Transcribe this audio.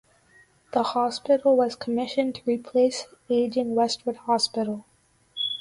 The hospital was commissioned to replace the aging Westwood Hospital.